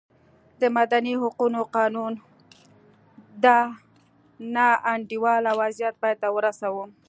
د مدني حقونو قانون دا نا انډوله وضعیت پای ته ورساوه.